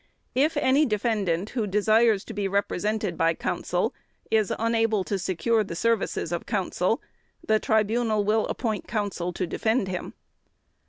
"If any defendant who desires to be represented by counsel is unable to secure the services of counsel the Tribunal will appoint counsel to defend him.